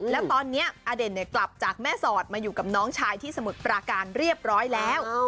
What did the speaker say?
แล้วตอนนี้อเด่นกลับจากแม่สอดมาอยู่กับน้องชายที่สมุทรปราการเรียบร้อยแล้ว